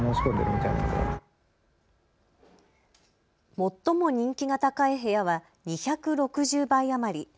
最も人気が高い部屋は２６０倍余り。